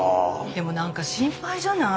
でもなんか心配じゃない？